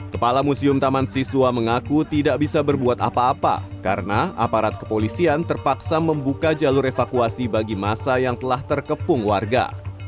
kepala museum taman siswa mengaku tidak bisa berbuat apa apa karena aparat kepolisian terpaksa membuka jalur evakuasi bagi masa yang telah terkepung warga